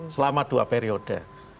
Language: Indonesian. selama dua periode